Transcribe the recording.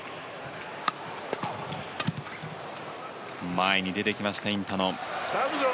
前に出てきましたインタノン。